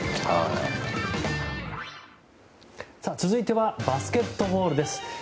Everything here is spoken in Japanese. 続いてはバスケットボールです。